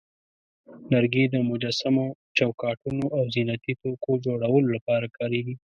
لرګي د مجسمو، چوکاټونو، او زینتي توکو جوړولو لپاره کارېږي.